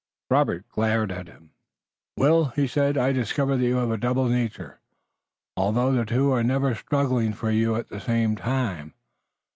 Robert glared at him. "Will," he said, "I've discovered that you have a double nature, although the two are never struggling for you at the same time."